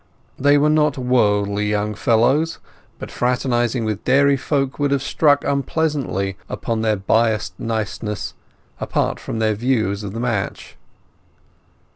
They were not worldly young fellows, but fraternizing with dairy folk would have struck unpleasantly upon their biased niceness, apart from their views of the match.